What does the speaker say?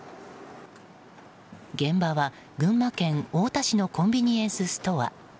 現場は群馬県太田市のコンビニエンスストア。